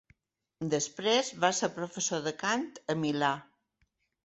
Després va ser professor de cant a Milà.